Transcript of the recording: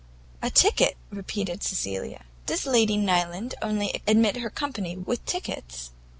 "A ticket?" repeated Cecilia, "does Lady Nyland only admit her company with tickets?"